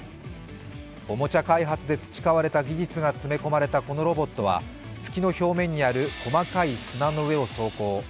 おもちゃ開発で培われた技術が詰め込まれたこのロボットは月の表面にある細かい砂の上を走行。